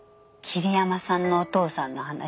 桐山さんのお父さん？